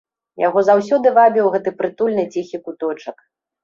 Яго заўсёды вабіў гэты прытульны ціхі куточак.